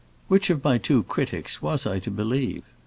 Which of my two critics was I to believe?